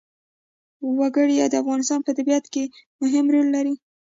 وګړي د افغانستان په طبیعت کې مهم رول لري.